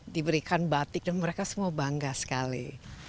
diberikan batik dan mereka semua bangga sekali